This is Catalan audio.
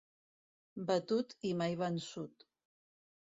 Batut i mai vençut.